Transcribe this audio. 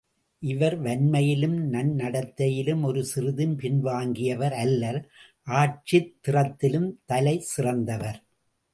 இவர் வன்மையிலும் நன்னடைத்தையிலும் ஒரு சிறுதும் பின்வாங்கியவர் அல்லர் ஆட்சித் திறத்திலும் தலைசிறந்தவர்.